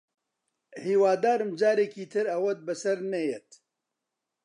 هیوادارم جارێکی تر ئەوەت بەسەر نەیەت